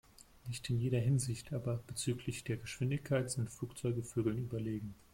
Nicht in jeder Hinsicht, aber bezüglich der Geschwindigkeit sind Flugzeuge Vögeln überlegen.